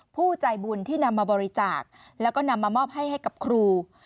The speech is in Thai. ผู้ใจบุญที่นำมาบริจาคแล้วก็นำมามอบให้ให้กับครู